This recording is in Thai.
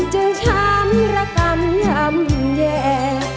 จึงช้ำระกำยำแยะ